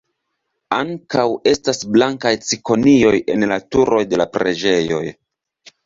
Ankaŭ estas blankaj cikonioj en la turoj de la preĝejoj.